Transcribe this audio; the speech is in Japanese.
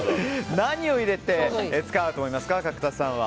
何を入れて使うと思いますか角田さんは。